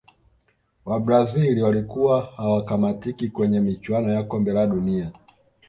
wabrazil walikuwa hawakamatiki kwenye michuano ya kombe la dunia